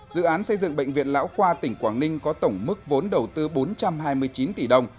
dự án xây dựng bệnh viện lão khoa tỉnh quảng ninh có tổng mức vốn đầu tư bốn trăm hai mươi chín tỷ đồng